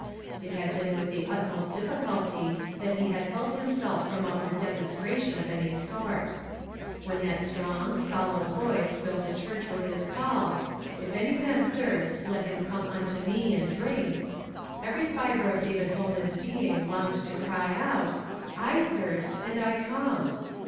It had been with the utmost difficulty that he had held himself from outward demonstration of any sort. When that strong, solemn voice filled the church with his call, " If any man thirst, let him come unto me, and drink," every fibre of David Holman's being longed to cry out: "I tliirst, and I come